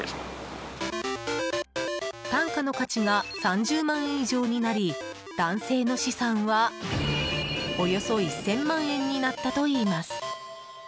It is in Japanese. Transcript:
単価の価値が３０万円以上になり男性の資産はおよそ１０００万円になったといいます。